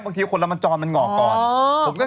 บางทีคนละมาจอนมันหงอกก่อน